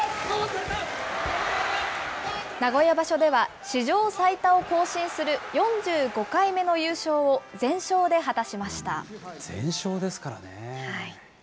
名古屋場所では史上最多を更新する４５回目の優勝を全勝で果たし全勝ですからね。